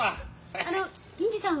あの銀次さんは？